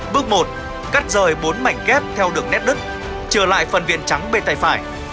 bước một cắt rời bốn mảnh ghép theo đường nét đứt trở lại phần viên trắng bên tay phải